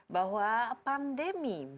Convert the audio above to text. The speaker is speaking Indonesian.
bahwa pandemi berlaku